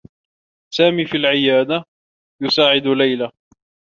سامي في العيادة، يساعد ليلى.